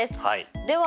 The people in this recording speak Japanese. では